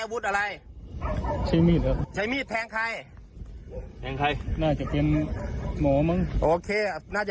พูดความจริงเลย